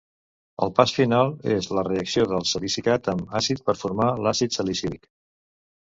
El pas final és la reacció del salicilat amb àcid per formar l'àcid salicílic.